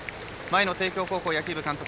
前の帝京高校野球部監督